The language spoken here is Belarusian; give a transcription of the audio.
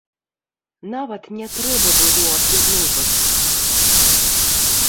Нават не трэба было аб'ядноўвацца!